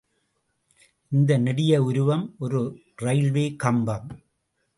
இந்த நெடிய உருவம் ஒரு ரயில்வே கம்பம்!